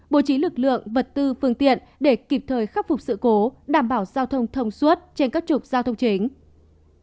bố trí lực lượng vật tư phương tiện để kịp thời khắc phục sự cố đảm bảo giao thông thông suốt trên các trục giao thông chính